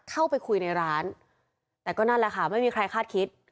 เข้าไปคุยในร้านแต่ก็นั่นแหละค่ะไม่มีใครคาดคิด